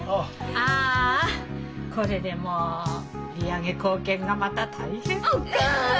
ああこれでもう売り上げ貢献がまた大変ね。